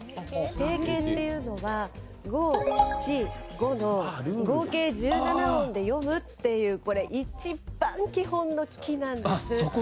定型っていうのは５・７・５の合計１７音で詠むっていうこれ一番基本のキなんです。